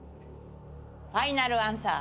ファイナルアンサー？